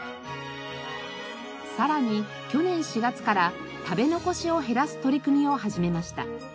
さらに去年４月から食べ残しを減らす取り組みを始めました。